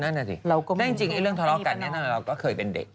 นั่นแหละสิแต่จริงเรื่องทะเลาะกันนั้นเราก็เคยเป็นเด็ก